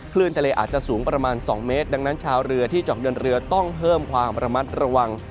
คลื่นทะเลอาจจะสูงประมาณ๒เมตรดังนั้นชาวเรือที่เจาะเดินเรือต้องเพิ่มความระมัดระวัง